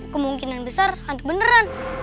kemungkinan besar hantu beneran